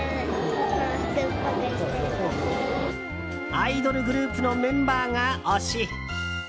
アイドルグループのメンバーが推し。